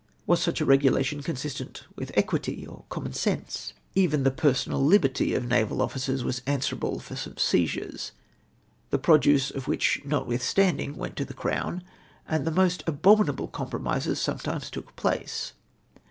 Was such a regulation consistent with equity or common sense ?" Even the personal liberty of naval officers was answerable for some seizures, the produce of which notwithstanding went to the Crown, and the most abominable compromises some times took place.